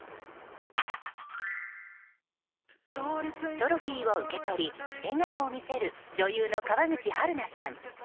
トロフィーを受け取り笑顔を見せる女優の川口春奈さん。